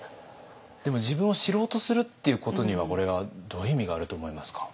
でも自分を知ろうとするっていうことにはこれはどういう意味があると思いますか？